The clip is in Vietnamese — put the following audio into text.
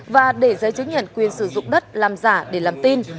và để giấy chứng nhận quyền sử dụng đất làm giả để làm tin